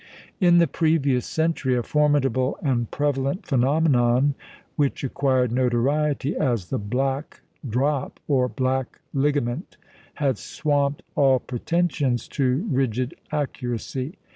In the previous century, a formidable and prevalent phenomenon, which acquired notoriety as the "Black Drop" or "Black Ligament," had swamped all pretensions to rigid accuracy.